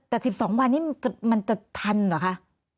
แต่๑๒วันนี้มันจะทันเหรอคะ